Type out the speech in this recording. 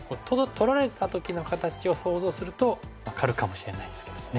取られた時の形を想像すると分かるかもしれないですけどね。